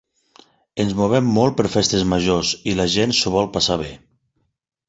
Ens movem molt per festes majors i la gent s’ho vol passar bé.